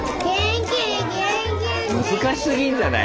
難しすぎんじゃない？